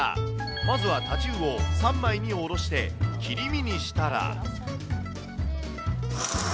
まずは太刀魚を三枚に下ろして切り身にしたら。